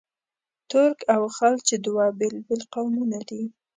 ترک او خلج دوه بېل بېل قومونه دي.